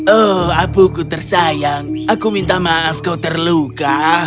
oh apuku tersayang aku minta maaf kau terluka